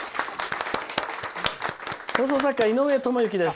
放送作家、井上知幸です。